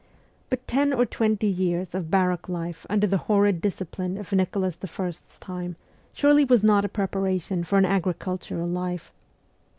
But ten or twenty years of barrack life under the horrid discipline of Nicholas I.'s time surely was not a preparation for an agricultural SIBERIA 217 life.